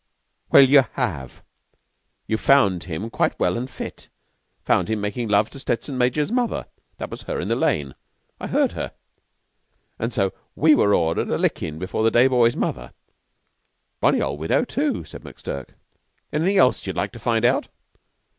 "Well, you have. You found him quite well and fit. Found him makin' love to Stettson major's mother. That was her in the lane I heard her. And so we were ordered a lickin' before a day boy's mother. Bony old widow, too," said McTurk. "Anything else you'd like to find out?"